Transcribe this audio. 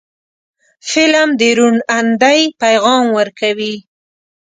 فلم د روڼ اندۍ پیغام ورکوي